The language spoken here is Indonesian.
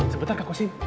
sebentar kang khozim